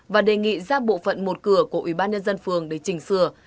và đề nghị ra bộ phận một cửa của ủy ban nhân dân phường để chỉnh sửa